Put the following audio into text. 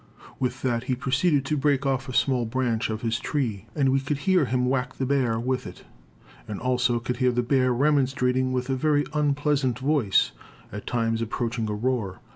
With that he proceeded to break off a small branch of his tree, and we could hear him whack the bear with it, and also could hear the bear remonstrating with a very unpleasant voice, at times approaching a roar.